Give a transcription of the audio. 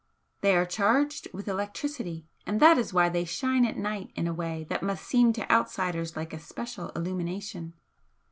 They are charged with electricity, and that is why they shine at night in a way that must seem to outsiders like a special illumination.